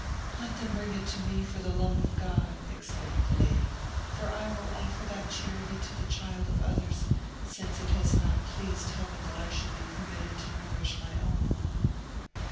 "Let them bring it to me, for the love of God!" exclaimed the lady, "for I will offer that charity to the child of others, since it has not pleased Heaven that I should be permitted to nourish my own."